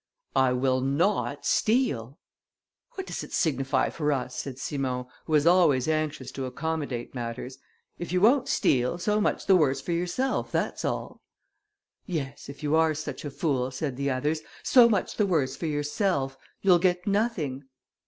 "I will not steal." "What does it signify to us," said Simon, who was always anxious to accommodate matters, "if you won't steal, so much the worse for yourself, that's all." "Yes, if you are such a fool," said the others, "so much the worse for yourself you'll get nothing."